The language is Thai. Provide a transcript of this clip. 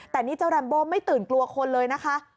แต่นี่เจ้าแรมโบไม่ตื่นกลัวคนเลยนะคะ